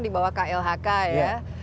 di bawah klhk ya